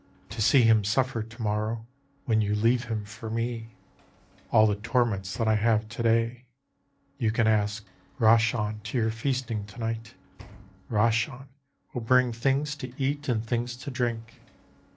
To see him suffer to morrow, when you leave him for me, All the torments that I have to day. You can ask Rahchan to your feasting to night, Rahchan will bring things to eat and things to drink